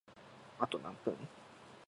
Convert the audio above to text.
あと何分？